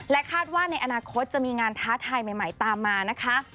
คาดว่าในอนาคตจะมีงานท้าทายใหม่ตามมานะคะ